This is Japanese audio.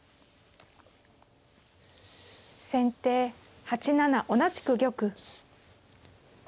先手８七同じく玉。